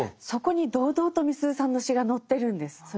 そこに堂々とみすゞさんの詩が載ってるんです。